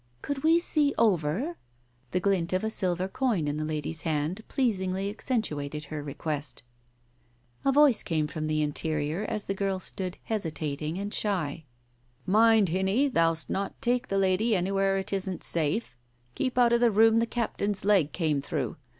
"Could we see over?" The glint of a silver coin in the lady's hand pleasingly accentuated her request. Digitized by Google 160 TALES OF THE UNEASY A voice came from the interior as the girl stood hesitating and shy. "Mind, hinny, thou'st not take the lady anywhere it isn't safe. Keep out of the room the captain's leg came through.